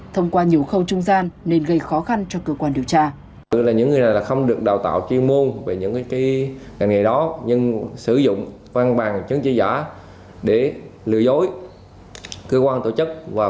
thông qua nhiều khâu trung gian nên gây khó khăn cho cơ quan điều tra